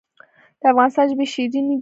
د افغانستان ژبې شیرینې دي